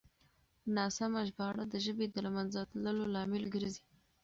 ناسمه ژباړه د ژبې د له منځه تللو لامل ګرځي.